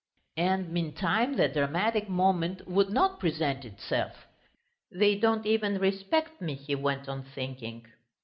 And meantime the dramatic moment would not present itself. "They don't even respect me," he went on, thinking.